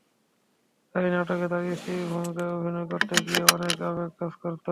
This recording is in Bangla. তাই নাটকে তাঁর স্ত্রীর ভূমিকায় অভিনয় করতে গিয়ে অনেক আবেগ কাজ করত।